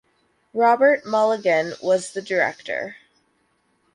Robert Mulligan was the director.